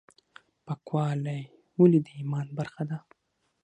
پاکوالی ولې د ایمان برخه ده؟